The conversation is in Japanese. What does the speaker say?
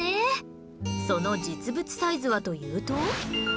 その実物サイズはというと